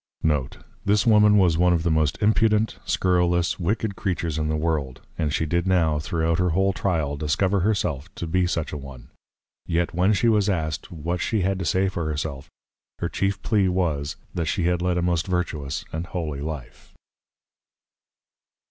Note, this Woman was one of the most impudent, scurrilous, wicked Creatures in the World; and she did now throughout her whole Tryal, discover her self to be such an one. Yet when she was asked, what she had to say for her self? Her chief Plea was, _That she had lead a most virtuous and holy Life.